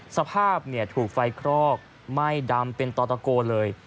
สภาพถูกไฟคลอกไหม้ดำเป็นต่อตะโกเลย